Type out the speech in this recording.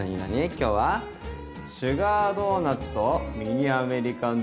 今日は「シュガードーナツとミニアメリカンドッグ！」